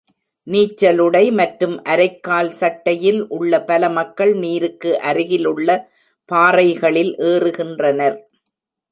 நீச்சலுடை மற்றும் அரைக்கால் சட்டையில் உள்ள பல மக்கள் நீருக்கு அருகிலுள்ள பாறைகளில் ஏறுகின்றனர்.